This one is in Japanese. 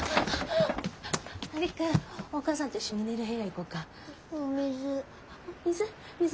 璃久お母さんと一緒に寝る部屋行こうか。お水。